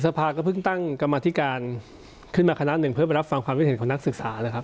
สภาก็เพิ่งตั้งกรรมธิการขึ้นมาคณะหนึ่งเพื่อไปรับฟังความคิดเห็นของนักศึกษาเลยครับ